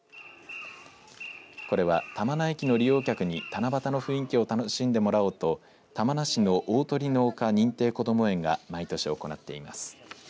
これは、玉名駅の利用客に七夕の雰囲気を楽しんでもらおうと玉名市のおおとりの丘認定こども園が毎年行っています。